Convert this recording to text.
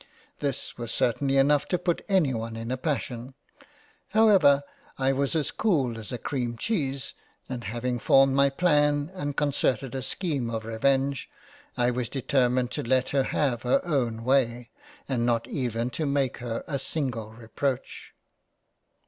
This was certainly enough to put any one in a Passion ; however, I was as cool as a cream cheese and having formed my plan and concerted a scheme of Revenge, I was determined to let her have her own way and not even to make her a single reproach.